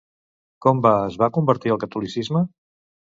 Com va es va convertir al catolicisme?